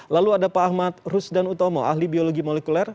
lalu ada pak ahmad rusdan utomo ahli biologi molekuler